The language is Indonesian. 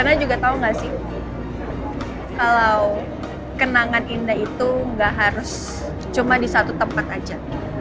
anda juga tahu nggak sih kalau kenangan indah itu nggak harus cuma di satu tempat aja